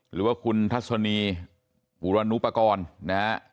หรือว่าคุณทัศนีบุรณุปกรณ์นะฮะ